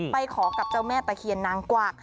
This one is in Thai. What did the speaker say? ไปขอกับเจ้าแม่ตะเคียนนางกวัก